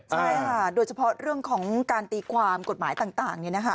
ใช่ค่ะโดยเฉพาะเรื่องของการตีความกฎหมายต่าง